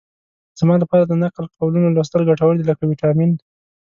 زما لپاره د نقل قولونو لوستل ګټور دي لکه ویټامین.